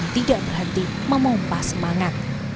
tidak berhenti memompah semangat